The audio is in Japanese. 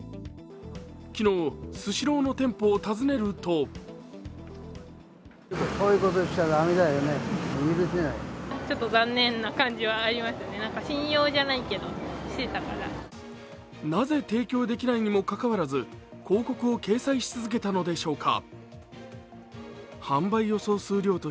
昨日、スシローの店舗を訪ねるとなぜ提供できないにもかかわらず広告を掲載し続けたのでしょうか。